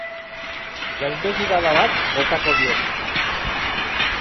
Gainbegirada bat botako diogu.